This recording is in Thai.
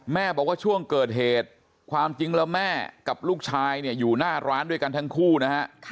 แม่บอกว่าช่วงเกิดเหตุความจริงแล้วแม่กับลูกชายเนี่ยอยู่หน้าร้านด้วยกันทั้งคู่นะฮะ